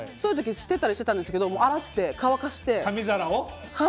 捨てたりしてたんですけど洗って乾かして。